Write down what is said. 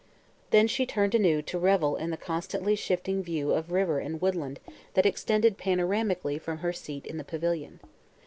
Then she turned anew to revel in the constantly shifting view of river and woodland that extended panoramically from her seat in the pavilion.